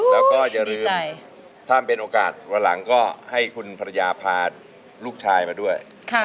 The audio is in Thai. แล้วก็อย่าลืมถ้าเป็นโอกาสวันหลังก็ให้คุณภรรยาพาลูกชายมาด้วย